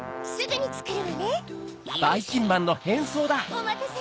おまたせ！